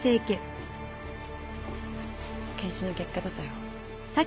検視の結果出たよ